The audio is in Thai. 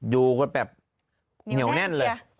อยู่กันแบบเหนียวแน่นเลย